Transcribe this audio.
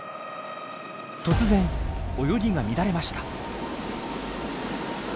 突然泳ぎが乱れました。